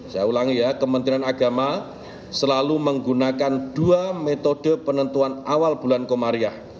saya ulangi ya kementerian agama selalu menggunakan dua metode penentuan awal bulan komariah